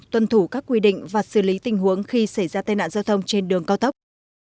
tuân thủ các quy định và xử lý tình huống khi xảy ra tai nạn giao thông trên đường cao tốc